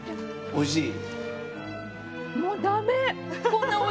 おいしい！